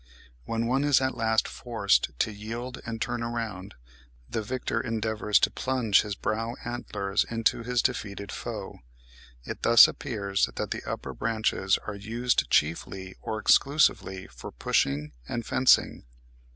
When one is at last forced to yield and turn round, the victor endeavours to plunge his brow antlers into his defeated foe. It thus appears that the upper branches are used chiefly or exclusively for pushing and fencing.